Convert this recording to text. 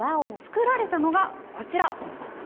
作られたのが、こちら。